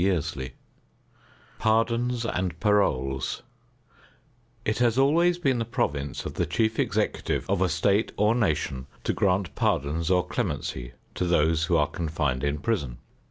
XXXV PARDONS AND PAROLES It has always been the province of the Chief Executive of a state or nation to grant pardons or clemency to those who are confined in prison.